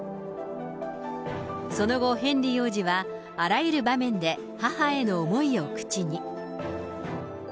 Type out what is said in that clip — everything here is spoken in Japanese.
その後、ヘンリー王子はあらゆる場面で母への思いを口に。